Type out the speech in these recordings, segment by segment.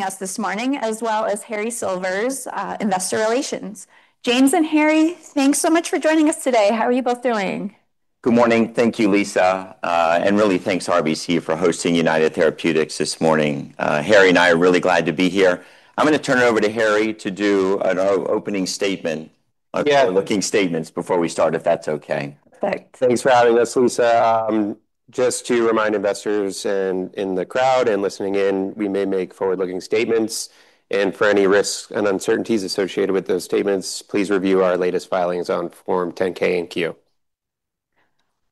us this morning, as well as Harry Silvers, Investor Relations. James and Harry, thanks so much for joining us today. How are you both doing? Good morning. Thank you, Lisa. Really thanks RBC for hosting United Therapeutics this morning. Harry and I are really glad to be here. I'm gonna turn it over to Harry to do an opening statement. Yeah. Forward-looking statements before we start, if that's okay. Perfect. Thanks for having us, Lisa. Just to remind investors in the crowd and listening in, we may make forward-looking statements. For any risks and uncertainties associated with those statements, please review our latest filings on Form 10-K and Q.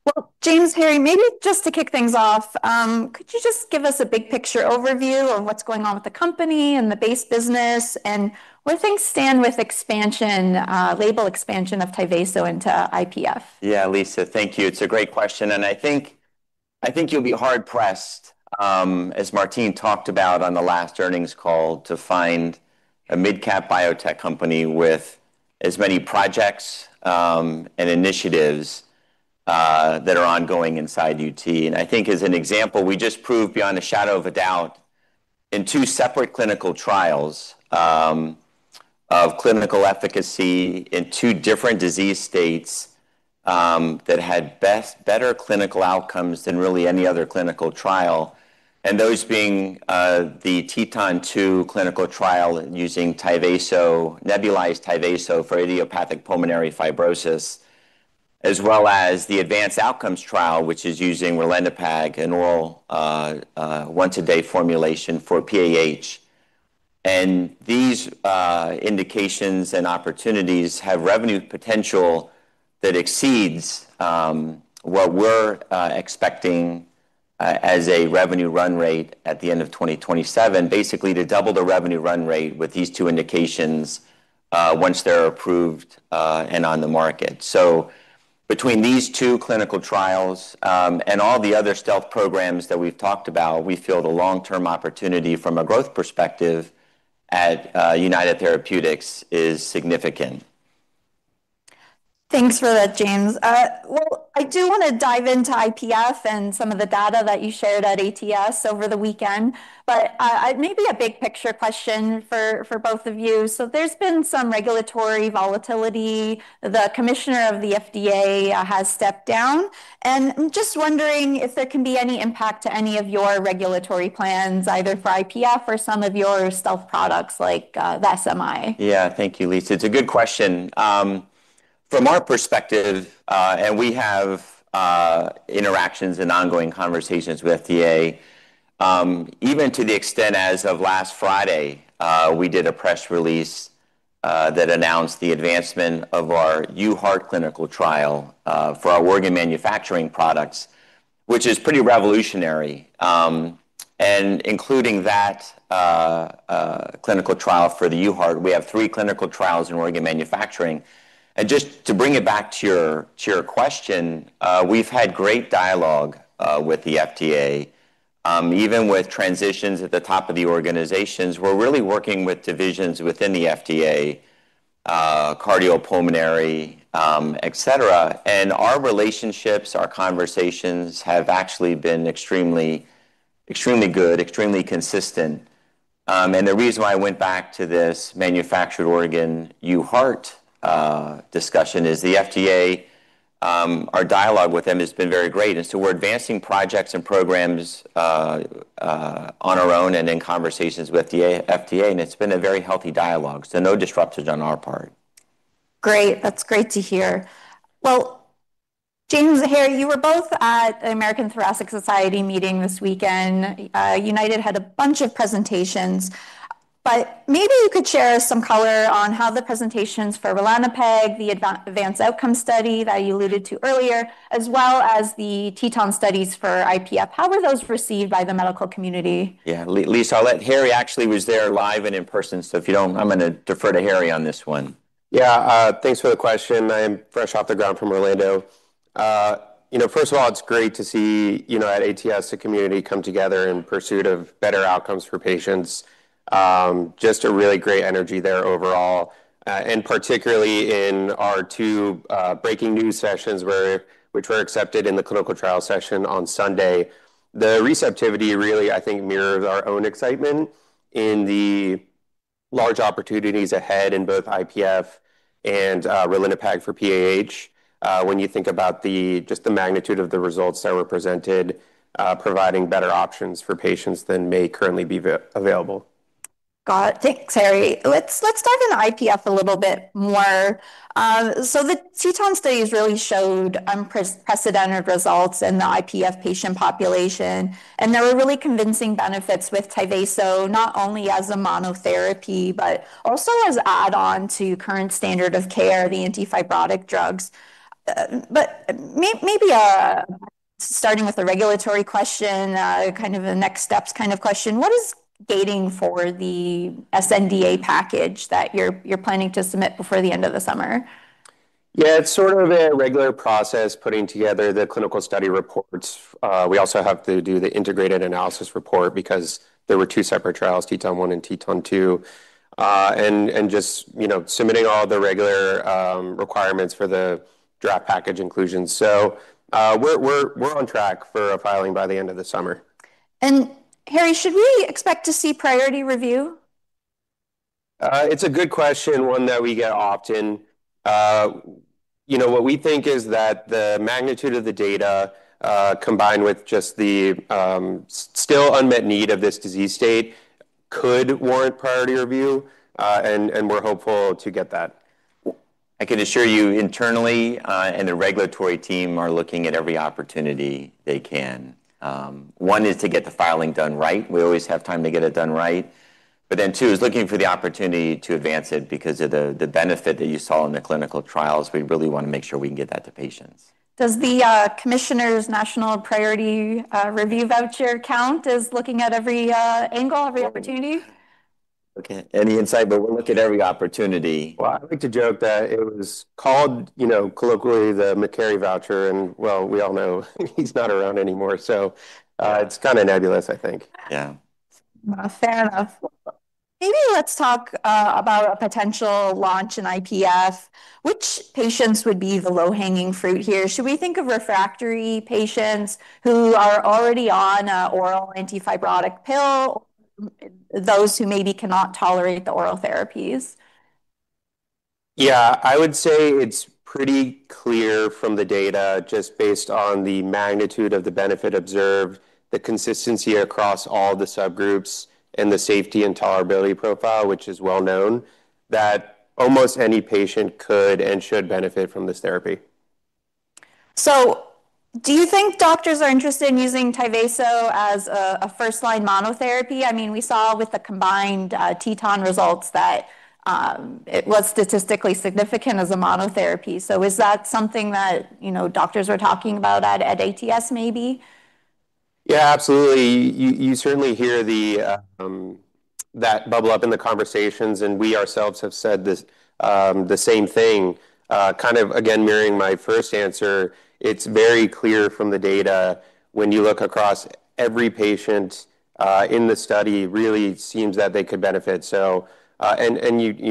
Well, James, Harry, maybe just to kick things off, could you just give us a big-picture overview on what's going on with the company and the base business, and where things stand with expansion, label expansion of TYVASO into IPF? Lisa. Thank you. It's a great question, I think you'll be hard-pressed, as Martine talked about on the last earnings call, to find a mid-cap biotech company with as many projects and initiatives that are ongoing inside UT. I think as an example, we just proved beyond a shadow of a doubt in two separate clinical trials of clinical efficacy in two different disease states that had better clinical outcomes than really any other clinical trial, and those being the TETON-2 clinical trial using TYVASO, nebulized TYVASO for idiopathic pulmonary fibrosis, as well as the ADVANCE OUTCOMES trial, which is using ralinepag, an oral, once-a-day formulation for PAH. These indications and opportunities have revenue potential that exceeds what we're expecting as a revenue run rate at the end of 2027, basically to double the revenue run rate with these two indications once they're approved and on the market. Between these two clinical trials and all the other stealth programs that we've talked about, we feel the long-term opportunity from a growth perspective at United Therapeutics is significant. Thanks for that, James. Well, I do wanna dive into IPF and some of the data that you shared at ATS over the weekend. Maybe a big-picture question for both of you. There's been some regulatory volatility. The commissioner of the FDA has stepped down, and I'm just wondering if there can be any impact to any of your regulatory plans, either for IPF or some of your stealth products like the SMI. Yeah. Thank you, Lisa. It's a good question. From our perspective, we have interactions and ongoing conversations with FDA, even to the extent as of last Friday, we did a press release that announced the advancement of our UHeart clinical trial for our organ manufacturing products, which is pretty revolutionary. Including that clinical trial for the UHeart, we have three clinical trials in organ manufacturing. Just to bring it back to your question, we've had great dialogue with the FDA. Even with transitions at the top of the organizations, we're really working with divisions within the FDA, cardiopulmonary, et cetera, and our relationships, our conversations, have actually been extremely good, extremely consistent. The reason why I went back to this manufactured organ UHeart discussion is the FDA, our dialogue with them has been very great. We're advancing projects and programs on our own and in conversations with the FDA, and it's been a very healthy dialogue, so no disruptions on our part. Great. That's great to hear. James and Harry, you were both at the American Thoracic Society meeting this weekend. United had a bunch of presentations, but maybe you could share some color on how the presentations for ralinepag, the ADVANCE OUTCOMES study that you alluded to earlier, as well as the TETON studies for IPF, how were those received by the medical community? Yeah. Lisa, I'll let Harry actually was there live and in person, so if you don't mind, I'm gonna defer to Harry on this one. Yeah. Thanks for the question. I am fresh off the ground from Orlando. You know, first of all, it's great to see, you know, at ATS, the community come together in pursuit of better outcomes for patients. Just a really great energy there overall, and particularly in our two breaking news sessions which were accepted in the clinical trial session on Sunday. The receptivity really, I think, mirrors our own excitement in the large opportunities ahead in both IPF and ralinepag for PAH, when you think about just the magnitude of the results that were presented, providing better options for patients than may currently be available. Got it. Thanks, Harry. Let's dive into IPF a little bit more. The TETON studies really showed unprecedented results in the IPF patient population, and there were really convincing benefits with TYVASO, not only as a monotherapy but also as add-on to current standard of care, the antifibrotic drugs. Maybe, starting with the regulatory question, kind of a next steps kind of question, what is gating for the sNDA package that you're planning to submit before the end of the summer? Yeah, it's sort of a regular process putting together the clinical study reports. We also have to do the integrated analysis report because there were two separate trials, TETON-1 and TETON-2, and just, you know, submitting all the regular requirements for the draft package inclusion. We're on track for a filing by the end of the summer. Harry, should we expect to see priority review? It's a good question, one that we get often. You know, what we think is that the magnitude of the data, combined with just the still unmet need of this disease state could warrant priority review, and we're hopeful to get that. I can assure you internally, and the regulatory team are looking at every opportunity they can. One is to get the filing done right. We always have time to get it done right. Two is looking for the opportunity to advance it because of the benefit that you saw in the clinical trials. We really wanna make sure we can get that to patients. Does the Commissioner's National Priority Review Voucher count as looking at every angle, every opportunity? Okay. Any insight, but we'll look at every opportunity. Well, I like to joke that it was called, you know, colloquially the Makary voucher, and well, we all know he's not around anymore. It's kinda nebulous, I think. Yeah. Well, fair enough. Maybe let's talk about a potential launch in IPF. Which patients would be the low-hanging fruit here? Should we think of refractory patients who are already on a oral antifibrotic pill, those who maybe cannot tolerate the oral therapies? Yeah. I would say it's pretty clear from the data, just based on the magnitude of the benefit observed, the consistency across all the subgroups, and the safety and tolerability profile, which is well known, that almost any patient could and should benefit from this therapy. Do you think doctors are interested in using TYVASO as a first-line monotherapy? I mean, we saw with the combined TETON results that it was statistically significant as a monotherapy. Is that something that, you know, doctors are talking about at ATS maybe? Yeah, absolutely. You certainly hear that bubble up in the conversations, and we ourselves have said this, the same thing. Kind of again mirroring my first answer, it's very clear from the data when you look across every patient in the study really seems that they could benefit. You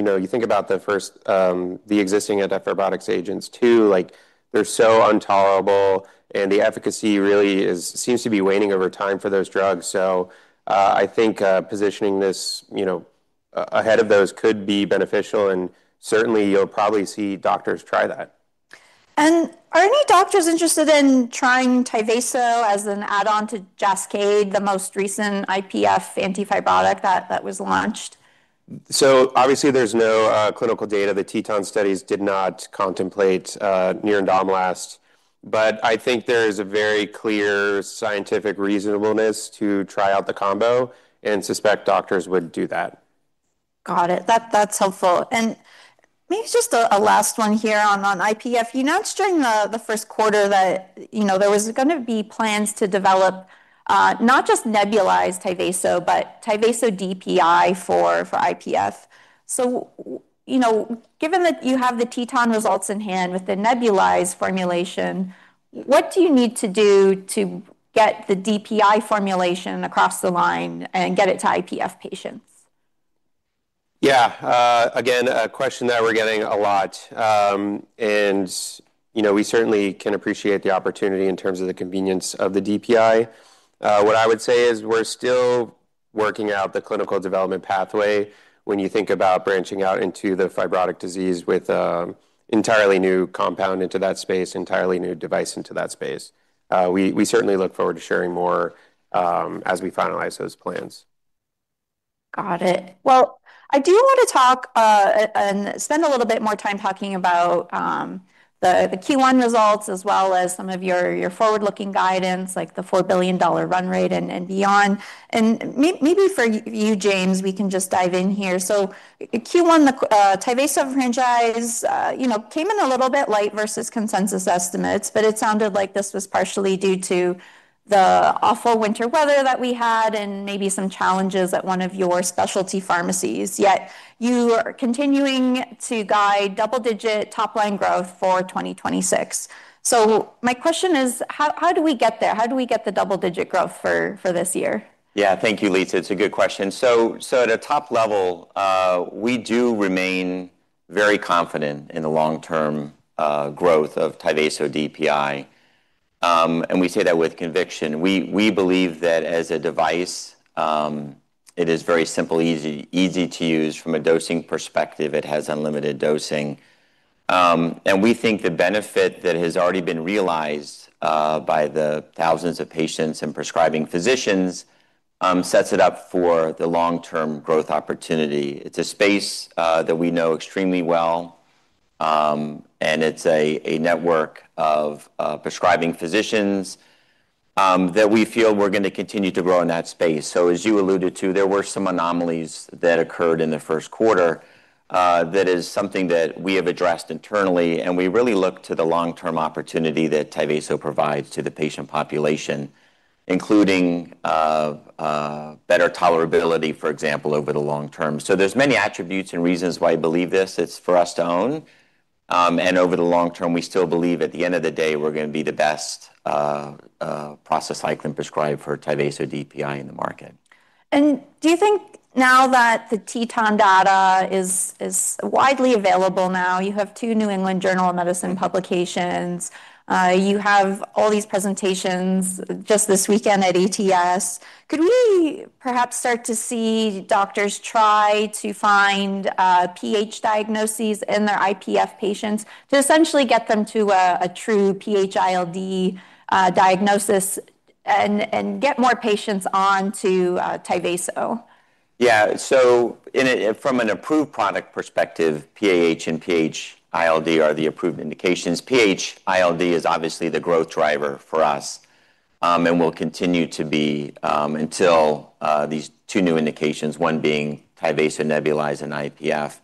know, you think about the first, the existing antifibrotic agents too, like they're so untolerable, and the efficacy really seems to be waning over time for those drugs. I think positioning this, you know, ahead of those could be beneficial, and certainly you'll probably see doctors try that. Are any doctors interested in trying TYVASO as an add-on to JASCAYD, the most recent IPF antifibrotic that was launched? Obviously there's no clinical data. The TETON studies did not contemplate nerandomilast. I think there is a very clear scientific reasonableness to try out the combo and suspect doctors would do that. Got it. That's helpful. Maybe just a last one here on IPF. You announced during the first quarter that, you know, there was gonna be plans to develop not just nebulized TYVASO, but TYVASO DPI for IPF. Given that you have the TETON results in hand with the nebulized formulation, what do you need to do to get the DPI formulation across the line and get it to IPF patients? Yeah. Again, a question that we're getting a lot. You know, we certainly can appreciate the opportunity in terms of the convenience of the DPI. What I would say is we're still working out the clinical development pathway when you think about branching out into the fibrotic disease with an entirely new compound into that space, an entirely new device into that space. We certainly look forward to sharing more as we finalize those plans. Got it. Well, I do want to talk and spend a little bit more time talking about the Q1 results as well as some of your forward-looking guidance, like the $4 billion run rate and beyond. Maybe for you, James, we can just dive in here. Q1, the TYVASO franchise, you know, came in a little bit light versus consensus estimates, but it sounded like this was partially due to the awful winter weather that we had and maybe some challenges at one of your specialty pharmacies. Yet you are continuing to guide double-digit top-line growth for 2026. My question is, how do we get there? How do we get the double-digit growth for this year? Thank you, Lisa. It's a good question. At a top level, we do remain very confident in the long-term growth of TYVASO DPI, and we say that with conviction. We believe that as a device, it is very simple, easy to use from a dosing perspective. It has unlimited dosing. We think the benefit that has already been realized by the thousands of patients and prescribing physicians sets it up for the long-term growth opportunity. It's a space that we know extremely well, and it's a network of prescribing physicians that we feel we're gonna continue to grow in that space. As you alluded to, there were some anomalies that occurred in the first quarter, that is something that we have addressed internally, and we really look to the long-term opportunity that TYVASO provides to the patient population, including better tolerability, for example, over the long term. There's many attributes and reasons why I believe this is for us to own. And over the long term, we still believe at the end of the day we're gonna be the best prostacyclin prescribe for TYVASO DPI in the market. Do you think now that the TETON data is widely available now, you have two New England Journal of Medicine publications, you have all these presentations just this weekend at ATS, could we perhaps start to see doctors try to find PH diagnoses in their IPF patients to essentially get them to a true PH-ILD diagnosis and get more patients onto TYVASO? From an approved product perspective, PAH and PH-ILD are the approved indications. PH-ILD is obviously the growth driver for us and will continue to be until these two new indications, one being nebulized TYVASO and IPF.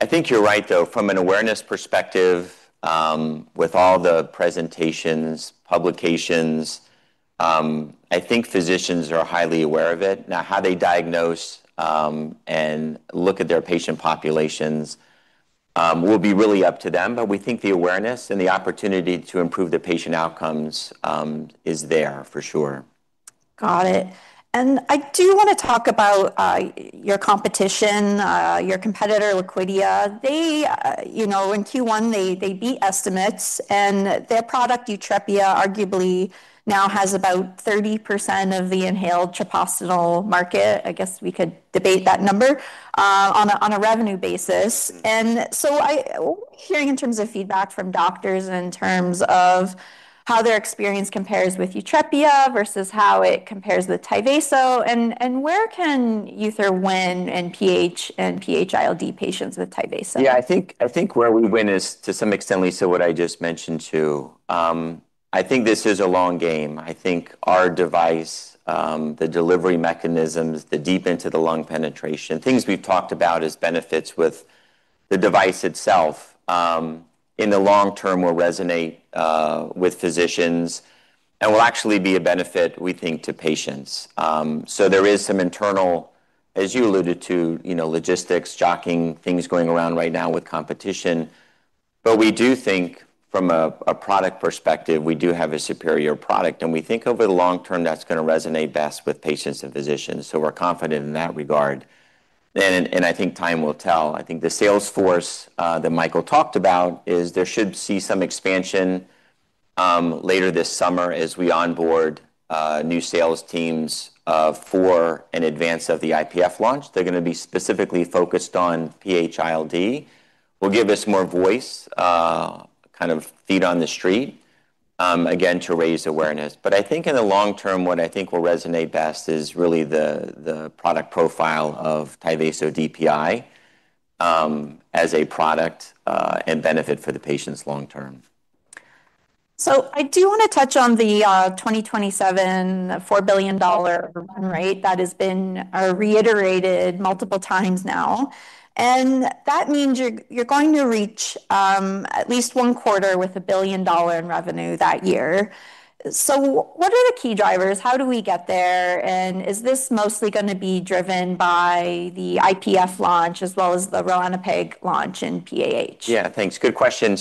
I think you're right, though. From an awareness perspective, with all the presentations, publications, I think physicians are highly aware of it. How they diagnose and look at their patient populations will be really up to them. We think the awareness and the opportunity to improve the patient outcomes is there for sure. Got it. I do wanna talk about your competition, your competitor, Liquidia. They, you know, in Q1, they beat estimates, their product, YUTREPIA, arguably now has about 30% of the inhaled treprostinil market, I guess we could debate that number on a revenue basis. I hearing in terms of feedback from doctors in terms of how their experience compares with YUTREPIA versus how it compares with TYVASO, and where can either win in PH and PH-ILD patients with TYVASO? Yeah, I think where we win is, to some extent, Lisa, what I just mentioned too. I think this is a long game. I think our device, the delivery mechanisms, the deep into the lung penetration, things we've talked about as benefits with the device itself, in the long term will resonate with physicians and will actually be a benefit, we think, to patients. There is some internal, as you alluded to, you know, logistics, jocking, things going around right now with competition. We do think from a product perspective, we do have a superior product, and we think over the long term that's gonna resonate best with patients and physicians. We're confident in that regard. I think time will tell. I think the sales force that Michael talked about is there should see some expansion later this summer as we onboard new sales teams for an advance of the IPF launch. They're gonna be specifically focused on PH-ILD, will give us more voice, kind of feet on the street, again, to raise awareness. I think in the long term, what I think will resonate best is really the product profile of TYVASO DPI as a product and benefit for the patients long term. I do want to touch on the 2027 $4 billion run rate that has been reiterated multiple times now. That means you're going to reach at least one quarter with a $1 billion in revenue that year. What are the key drivers? How do we get there? Is this mostly going to be driven by the IPF launch as well as the ralinepag launch in PAH? Yeah, thanks. Good question.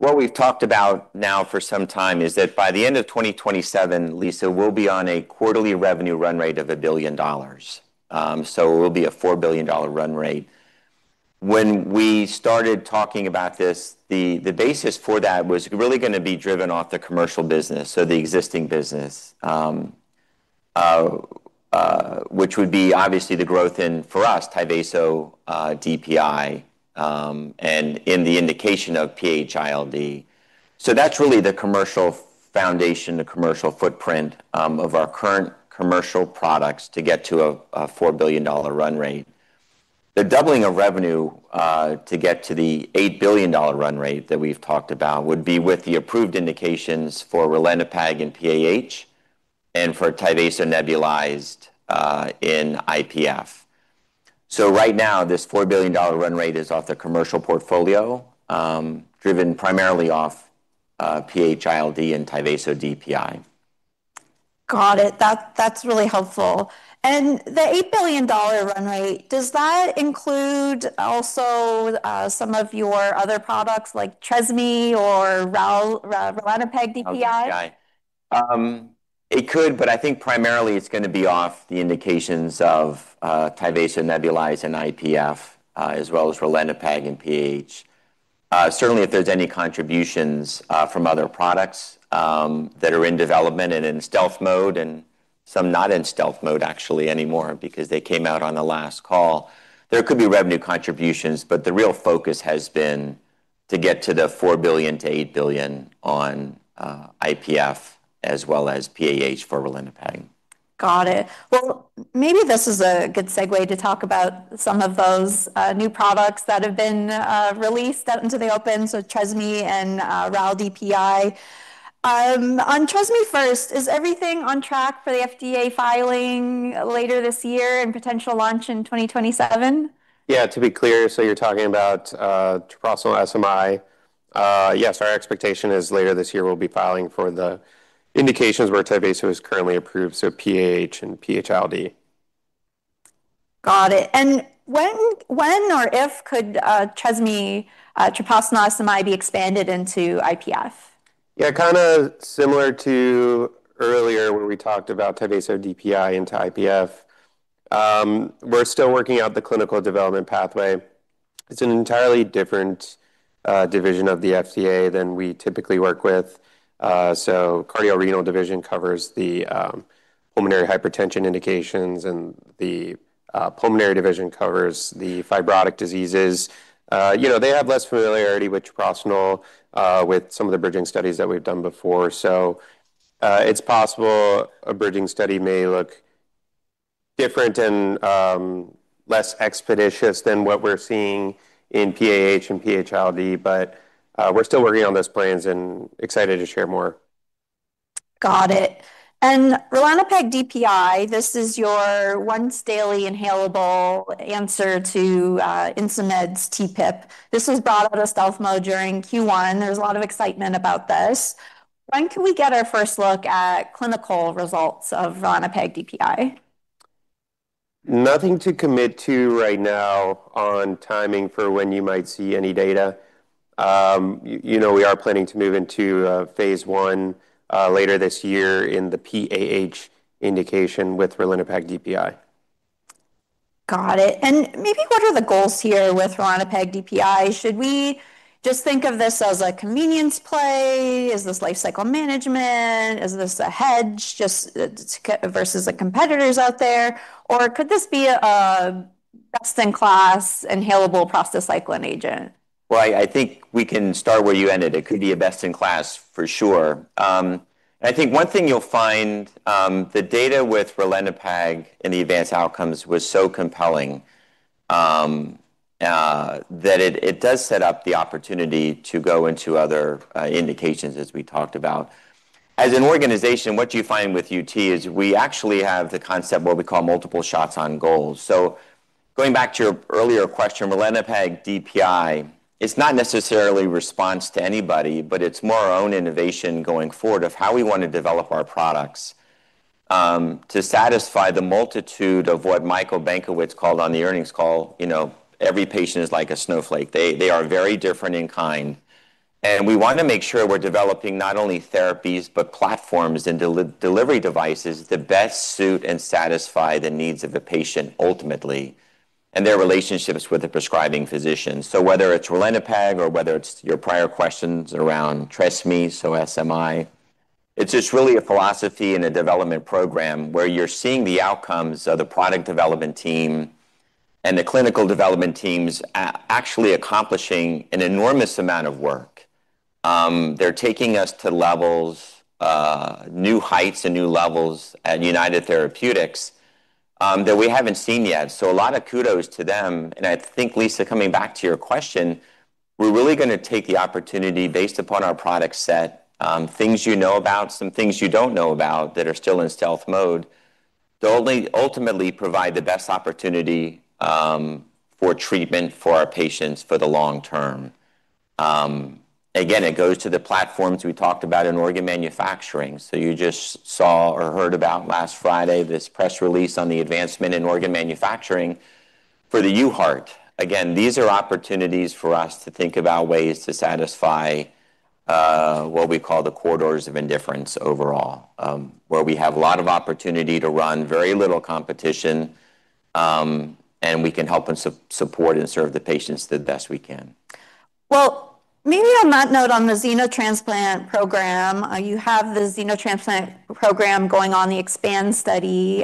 What we've talked about now for some time is that by the end of 2027, Lisa, we'll be on a quarterly revenue run rate of $1 billion. It will be a $4 billion run rate. When we started talking about this, the basis for that was really gonna be driven off the commercial business, so the existing business, which would be obviously the growth in, for us, TYVASO DPI, and in the indication of PH-ILD. That's really the commercial foundation, the commercial footprint of our current commercial products to get to a $4 billion run rate. The doubling of revenue to get to the $8 billion run rate that we've talked about would be with the approved indications for ralinepag in PAH and for TYVASO nebulized in IPF. Right now, this $4 billion run rate is off the commercial portfolio, driven primarily off PH-ILD and TYVASO DPI. Got it. That's really helpful. The $8 billion run rate, does that include also some of your other products like TRESMI or ralinepag DPI? Okay. It could, but I think primarily it's gonna be off the indications of TYVASO nebulized and IPF, as well as ralinepag and PAH. Certainly if there's any contributions from other products that are in development and in stealth mode, and some not in stealth mode actually anymore because they came out on the last call, there could be revenue contributions. The real focus has been to get to the $4 billion-$8 billion on IPF as well as PAH for ralinepag. Maybe this is a good segue to talk about some of those new products that have been released out into the open, so TRESMI and ral DPI. On TRESMI first, is everything on track for the FDA filing later this year and potential launch in 2027? Yeah, to be clear, so you're talking about treprostinil SMI. Yes, our expectation is later this year we'll be filing for the indications where TYVASO is currently approved, so PAH and PH-ILD. Got it. When or if could TRESMI treprostinil SMI be expanded into IPF? Yeah, kind of similar to earlier when we talked about TYVASO DPI into IPF. We're still working out the clinical development pathway. It's an entirely different division of the FDA than we typically work with. Cardio Renal Division covers the pulmonary hypertension indications, and the pulmonary division covers the fibrotic diseases. You know, they have less familiarity with treprostinil, with some of the bridging studies that we've done before. It's possible a bridging study may look different and less expeditious than what we're seeing in PAH and PH-ILD, but we're still working on those plans and excited to share more. Got it. Ralinepag DPI, this is your once daily inhalable answer to Insmed's TPIP. This was brought out of stealth mode during Q1. There's a lot of excitement about this. When can we get our first look at clinical results of ralinepag DPI? Nothing to commit to right now on timing for when you might see any data. You know, we are planning to move into phase I later this year in the PAH indication with ralinepag DPI. Got it. Maybe what are the goals here with ralinepag DPI? Should we just think of this as a convenience play? Is this life cycle management? Is this a hedge just versus the competitors out there? Could this be a best in class inhalable prostacyclin agent? Well I think we can start where you ended. It could be a best in class for sure. I think one thing you'll find, the data with ralinepag in the ADVANCE OUTCOMES was so compelling, that it does set up the opportunity to go into other indications as we talked about. As an organization, what you find with UT is we actually have the concept what we call multiple shots on goals. Going back to your earlier question, ralinepag DPI, it's not necessarily response to anybody, but it's more our own innovation going forward of how we want to develop our products, to satisfy the multitude of what Michael Benkowitz called on the earnings call, you know, every patient is like a snowflake. They are very different in kind. We want to make sure we're developing not only therapies, but platforms and delivery devices that best suit and satisfy the needs of the patient ultimately, and their relationships with the prescribing physician. Whether it's ralinepag or whether it's your prior questions around TRESMI, so SMI, it's just really a philosophy and a development program where you're seeing the outcomes of the product development team and the clinical development teams actually accomplishing an enormous amount of work. They're taking us to levels, new heights and new levels at United Therapeutics, that we haven't seen yet. A lot of kudos to them. I think, Lisa, coming back to your question, we're really going to take the opportunity based upon our product set, things you know about, some things you don't know about that are still in stealth mode, to ultimately provide the best opportunity for treatment for our patients for the long term. Again, it goes to the platforms we talked about in organ manufacturing. You just saw or heard about last Friday, this press release on the advancement in organ manufacturing for the UHeart. Again, these are opportunities for us to think about ways to satisfy what we call the corridors of indifference overall, where we have a lot of opportunity to run very little competition, and we can help and support and serve the patients the best we can. Maybe on that note on the xenotransplant program, you have the xenotransplant program going on, the EXPAND study,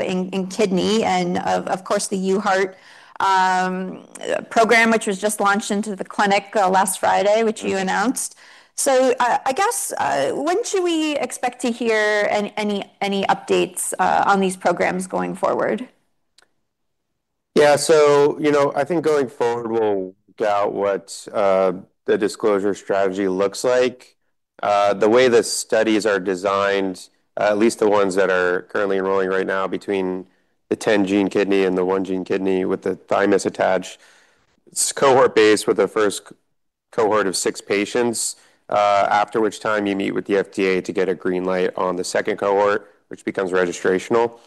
in kidney and of course, the UHeart program, which was just launched into the clinic last Friday, which you announced. I guess, when should we expect to hear any updates on these programs going forward? Yeah. You know, I think going forward, we'll doubt what the disclosure strategy looks like. The way the studies are designed, at least the ones that are currently enrolling right now between the 10-gene kidney and the one-gene kidney with the thymus attached, it's cohort-based with the first cohort of six patients, after which time you meet with the FDA to get a green light on the second cohort, which becomes registrational.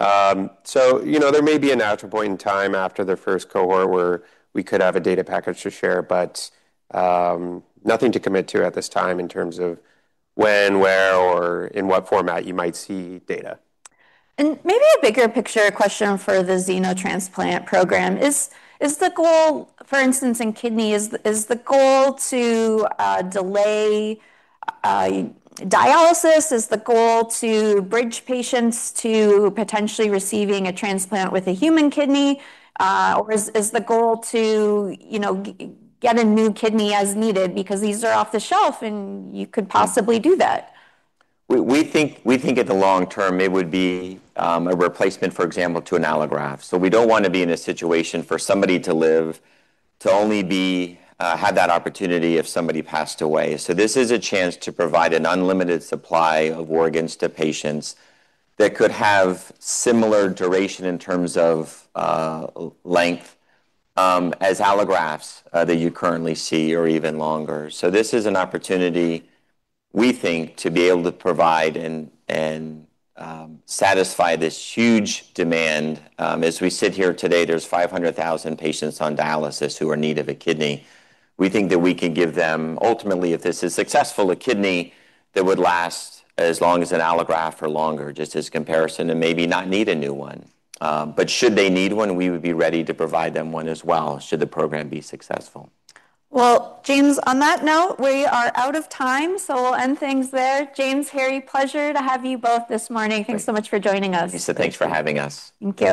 You know, there may be a natural point in time after the first cohort where we could have a data package to share, but nothing to commit to at this time in terms of when, where, or in what format you might see data. Maybe a bigger picture question for the xenotransplant program. Is the goal, for instance, in kidney, is the goal to delay dialysis? Is the goal to bridge patients to potentially receiving a transplant with a human kidney? Or is the goal to, you know, get a new kidney as needed because these are off the shelf and you could possibly do that? We think in the long term it would be a replacement, for example, to an allograft. We don't want to be in a situation for somebody to live, to only be have that opportunity if somebody passed away. This is a chance to provide an unlimited supply of organs to patients that could have similar duration in terms of length as allografts that you currently see or even longer. This is an opportunity, we think, to be able to provide and satisfy this huge demand. As we sit here today, there's 500,000 patients on dialysis who are in need of a kidney. We think that we could give them, ultimately, if this is successful, a kidney that would last as long as an allograft or longer, just as comparison, and maybe not need a new one. Should they need one, we would be ready to provide them one as well, should the program be successful. Well, James, on that note, we are out of time. We'll end things there. James, Harry, pleasure to have you both this morning. Thanks so much for joining us. Lisa, thanks for having us. Thank you.